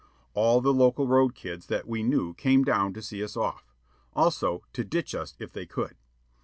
All the local road kids that we knew came down to see us off also, to "ditch" us if they could.